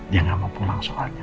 dia gak mau pulang soalnya